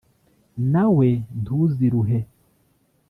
na we ntuziruhe,